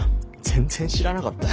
全然知らなかったよ。